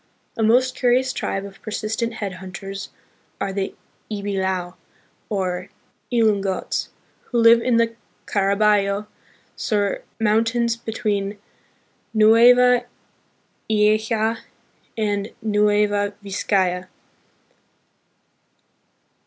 A most curious tribe of persistent headhunters are the Ibilao, or Ilungots, who live in the Caraballo Sur Mountains between Nueva Ecija and Nueva Vizcaya.